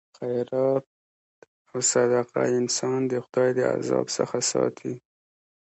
خیرات او صدقه انسان د خدای د عذاب څخه ساتي.